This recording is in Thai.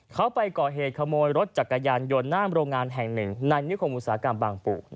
เขาไปก่อเหตุขโมยรถจักรยานยนต์หน้าโรงงานแห่งหนึ่งในนิคมอุตสาหกรรมบางปู่